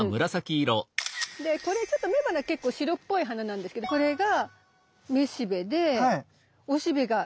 でこれちょっと雌花結構白っぽい花なんですけどこれがめしべでおしべが無い。